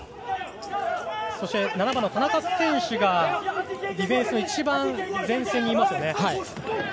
７番の田中選手がディフェンスの一番前線にいます。